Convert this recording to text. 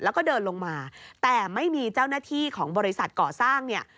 แล้วก็เดินลงมาแต่ไม่มีเจ้าหน้าที่ของบริษัทก่อสร้างเนี่ย